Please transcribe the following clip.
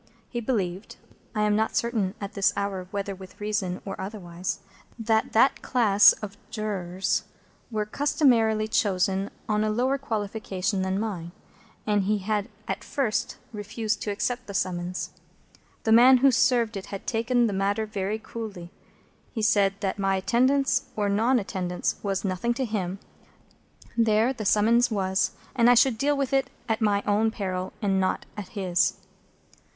He believed—I am not certain at this hour whether with reason or otherwise—that that class of Jurors were customarily chosen on a lower qualification than mine, and he had at first refused to accept the summons. The man who served it had taken the matter very coolly. He had said that my attendance or non attendance was nothing to him; there the summons was; and I should deal with it at my own peril, and not at his.